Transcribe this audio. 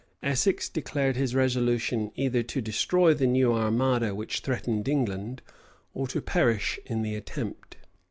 Essex declared his resolution either to destroy the new armada which threatened England, or to perish in the attempt.